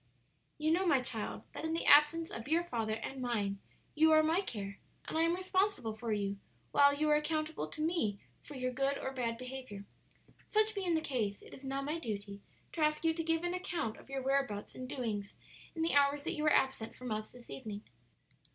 "You know, my child, that in the absence of your father and mine you are my care and I am responsible for you, while you are accountable to me for your good or bad behavior. Such being the case, it is now my duty to ask you to give an account of your whereabouts and doings in the hours that you were absent from us this evening."